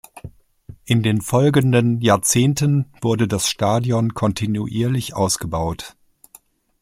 In den folgenden Jahrzehnten wurde das Stadion kontinuierlich ausgebaut.